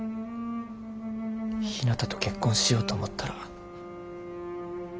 ひなたと結婚しようと思ったら。